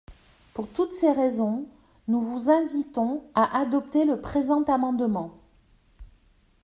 Pour toutes ces raisons, nous vous invitons à adopter le présent amendement.